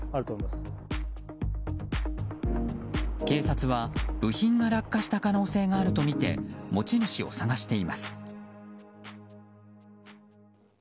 警察は部品が落下した可能性があるとみて持ち主を探しています。